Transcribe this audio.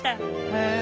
へえ。